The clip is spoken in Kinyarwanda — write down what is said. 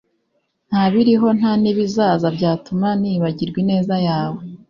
ntabiriho ntanibizaza byatuma nibagirwa ineza yawe